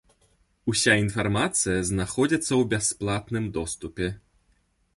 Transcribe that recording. Уся інфармацыя знаходзіцца ў бясплатным доступе.